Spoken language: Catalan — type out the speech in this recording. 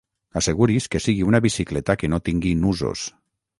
Asseguri's que sigui una bicicleta que no tingui nusos.